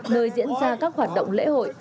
nơi diễn ra các hoạt động lễ hội